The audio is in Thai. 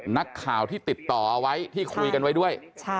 นักข่าวที่ติดต่อเอาไว้ที่คุยกันไว้ด้วย